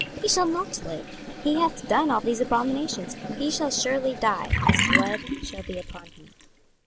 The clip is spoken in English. he shall not live: he hath done all these abominations; he shall surely die; his blood shall be upon him.